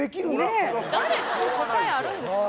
答えあるんですか？